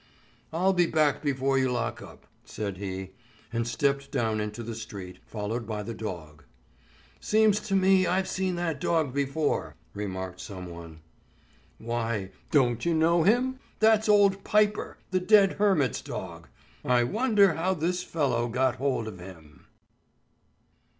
"I'll be back before you lock up," said he, and stepped down into the street, followed by the dog. "Seems to me I've seen that dog before," remarked someone. "Why, don't you know him? That's old Piper, the dead hermit's dog. I wonder how this fellow got hold of him."